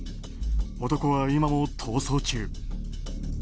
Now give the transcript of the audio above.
男は今も逃走中。